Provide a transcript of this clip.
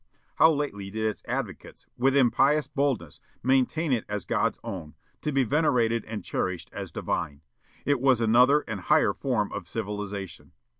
How lately did its advocates, with impious boldness, maintain it as God's own; to be venerated and cherished as divine! It was another and higher form of civilization.